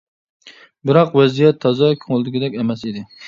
بىراق ۋەزىيەت تازا كۆڭۈلدىكىدەك ئەمەس ئىدى.